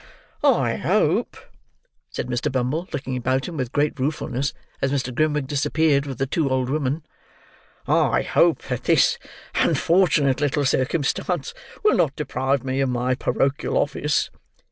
"I hope," said Mr. Bumble, looking about him with great ruefulness, as Mr. Grimwig disappeared with the two old women: "I hope that this unfortunate little circumstance will not deprive me of my porochial office?"